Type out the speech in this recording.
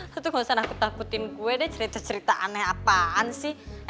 tapi gak usah nakut takutin gue deh cerita cerita aneh apaan sih